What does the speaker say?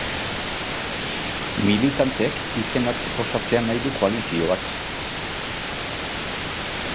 Militanteek izenak proposatzea nahi du koalizioak.